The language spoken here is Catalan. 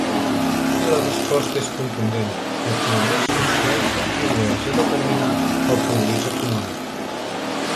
I la resposta és contundent: El progrés social contribueix a determinar el progrés econòmic.